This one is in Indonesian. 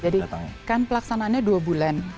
jadi kan pelaksanannya dua bulan